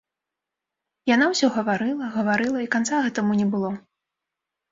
Яна ўсё гаварыла, гаварыла, і канца гэтаму не было.